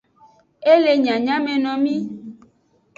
E le nyanyamenomi.